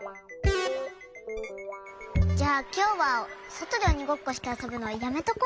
じゃあきょうはそとでおにごっこしてあそぶのやめとこうか。